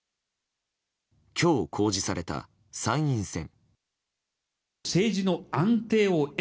今日公示された参院選。